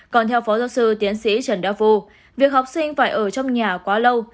còn theo phó giáo sư tiến sĩ trần đa vô việc học sinh phải ở trong nhà quá lâu